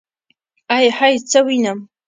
ائ هئ څه وينم.